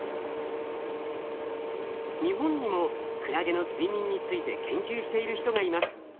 日本にもクラゲの睡眠について研究している人がいます。